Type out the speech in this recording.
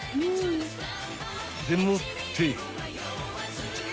［でもって］